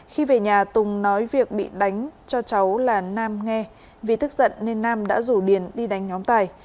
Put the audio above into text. khi về nhà tùng nói việc bị đánh cho cháu là nam nghe vì thức giận nên nam đã rủ điền đi đánh nhóm tài